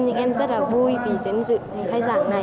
những em rất là vui vì đến dự ngày khai giảng này